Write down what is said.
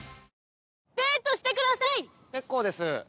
結構です。